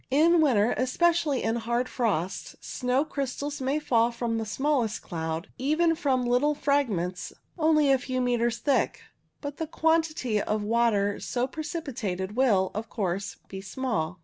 In winter, especially in hard frost, snow crystals may fall from the smallest cloud, even from little fragments only a few metres thick, but the quantity of water so precipitated will, of course, be small.